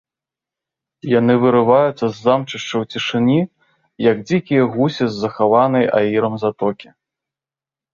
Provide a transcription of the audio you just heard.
Яны вырываюцца з замчышчаў цішыні, як дзікія гусі з захаванай аірам затокі.